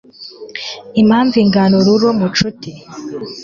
impamvu ingana ururo mushuti